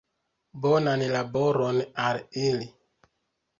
Bonan laboron al ili!